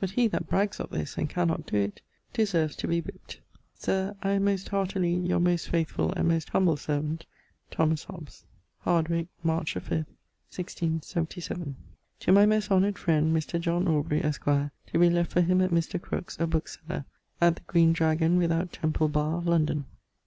But he that brags of this and cannot doe it, deserves to be whipt. Sir, I am most heartily Your most faithfull and most humble servant, THOMAS HOBBES. Hardwick, March the 5ᵗʰ, 1677. To my most honored frend Mr. John Awbry, esqre, to be left for him at Mr. Crooke's, a bookseller, at the Green Dragon without Temple barre, London.